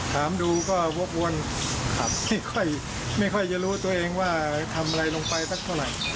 ถามดูก็วกวนที่ไม่ค่อยจะรู้ตัวเองว่าทำอะไรลงไปสักเท่าไหร่